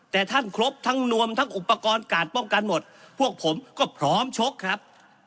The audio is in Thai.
แต่ท่านครบทั้งนวมทั้งอุปกรณ์การป้องกันหมดพวกผมก็พร้อมชกครับ